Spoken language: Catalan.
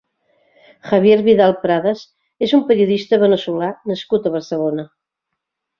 Javier Vidal Pradas és un periodista veneçolà nascut a Barcelona.